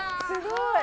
すごい！